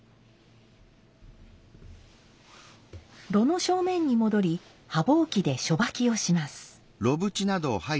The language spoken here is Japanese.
炉の正面に戻り羽箒で初掃きをします。